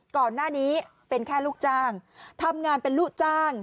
ก่อนหน้านี้เป็นแค่ลูกจ้างทำงานเป็นลูกจ้าง